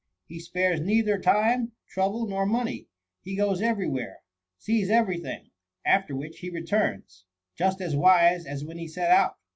He spares neither time, trouble, nor money ; he goes every where, eeeiS every thing; after which, he returns — just as wise as when he set out.